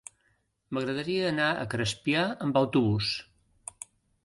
M'agradaria anar a Crespià amb autobús.